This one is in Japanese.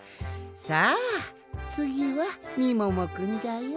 さあつぎはみももくんじゃよ。